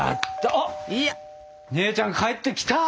・あっ姉ちゃん帰ってキター！